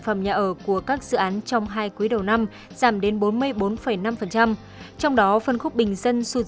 phẩm nhà ở của các dự án trong hai quý đầu năm giảm đến bốn mươi bốn năm trong đó phân khúc bình dân sụt